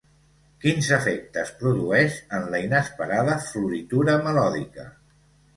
Quins efectes produeix en la inesperada floritura melòdica?